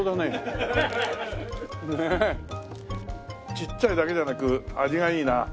ちっちゃいだけじゃなく味がいいな。